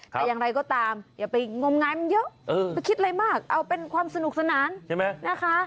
แต่อย่างไรก็ตามอย่าไปงมงายมันเยอะไปคิดอะไรมากเอาเป็นความสนุกสนานใช่ไหมนะคะ